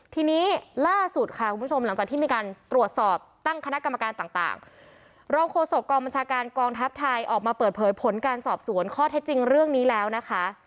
ทีนี้ล่าสุดค่ะคุณผู้ชมหลังจากที่มีการตรวจสอบตั้งคณะกรรมการต่างรองโฆษกองบัญชาการกองทัพไทยออกมาเปิดเผยผลการสอบสวนข้อเท็จจริงเรื่องนี้แล้วนะคะ